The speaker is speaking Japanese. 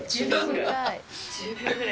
１０秒ぐらい。